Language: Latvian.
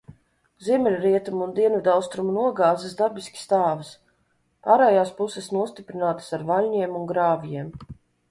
Ziemeļrietumu un dienvidaustrumu nogāzes dabiski stāvas, pārējās puses nostiprinātas ar vaļņiem un grāvjiem.